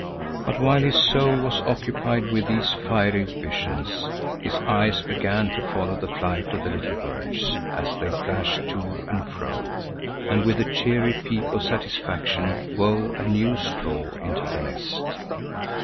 But while his soul was occupied with these fiery visions, his eyes began to follow the flight of the little birds, as they flashed to and fro and with a cheery peep of satisfaction wove a new straw into the nest.